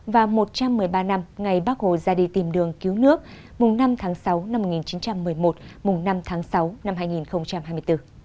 và một trăm một mươi ba năm ngày bác hồ ra đi tìm đường cứu nước mùng năm tháng sáu năm một nghìn chín trăm một mươi một mùng năm tháng sáu năm hai nghìn hai mươi bốn